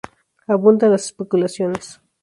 Abundan las especulaciones.